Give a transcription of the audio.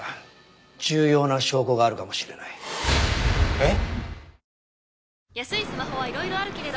えっ？